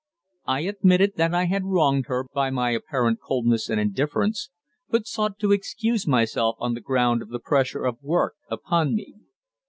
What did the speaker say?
I admitted that I had wronged her by my apparent coldness and indifference, but sought to excuse myself on the ground of the pressure of work upon me.